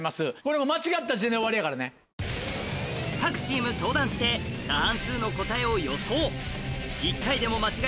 各チーム相談して過半数の答えを予想